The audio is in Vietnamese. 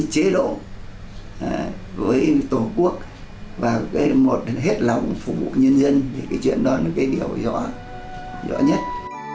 đều nhấn mạnh đều nhấn mạnh đều nhấn mạnh đều nhấn mạnh đều nhấn mạnh